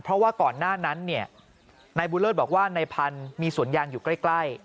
เพราะว่าก่อนหน้านั้นเนี่ยนายบุญเลิศบอกว่านายพันธุ์มีสวนยางอยู่ใกล้